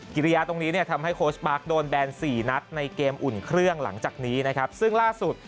กิริยาตรงนี้ทำให้โค้ชปาร์คโดนแบน๔นัดในเกมอุ่นเครื่องหลังจากนี้ซึ่งล่าสุด